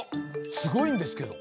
すごいんですけど。